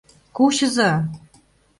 Кучыза!..